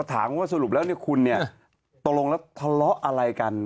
ถามว่าสรุปแล้วคุณตลงและทะเลาะอะไรกัน